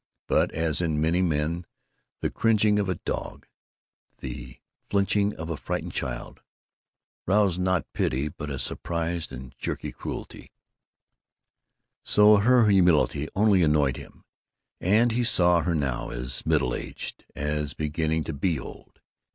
But as in many men the cringing of a dog, the flinching of a frightened child, rouse not pity but a surprised and jerky cruelty, so her humility only annoyed him. And he saw her now as middle aged, as beginning to be old.